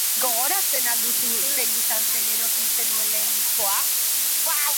Gogoratzen al duzu zein izan zen erosi zenuen lehen diskoa?